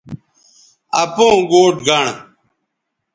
اپوں گوٹھ گنڑ